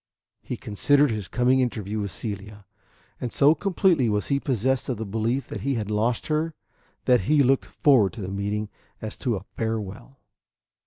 He considered his coming interview with Celia, and so completely was he possessed of the belief that he had lost her, that he looked forward to the meeting as to a farewell.